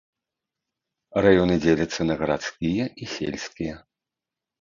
Раёны дзеляцца на гарадскія і сельскія.